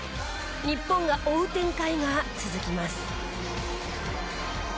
日本が追う展開が続きます。